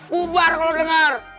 bubar kalau dengar